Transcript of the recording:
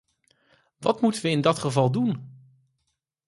Wat moeten we in dat geval doen?